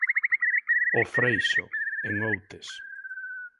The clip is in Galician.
O Freixo, en Outes.